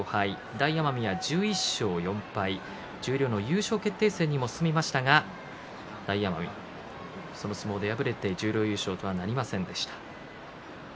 大奄美が１１勝４敗十両の優勝決定戦にも進みましたが大奄美はその相撲で敗れて十両優勝とはなりませんでした。